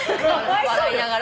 笑いながら。